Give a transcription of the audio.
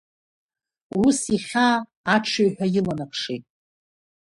Ус ихьаа аҽыҩҳәа иланакшеит…